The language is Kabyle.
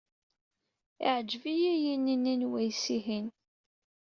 Yeɛǧeb-iyi yini n wayes-ihin.